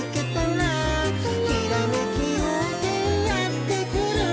「ひらめきようせいやってくる」